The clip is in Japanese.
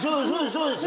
そうです！